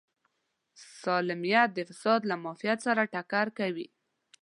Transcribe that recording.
سالمیت د فساد له معافیت سره ټکر کوي.